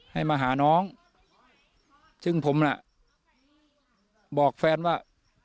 ให้มาหาน้องซึ่งผมน่ะบอกแฟนว่า